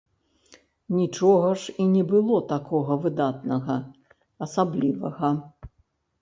Нічога ж і не было такога выдатнага, асаблівага.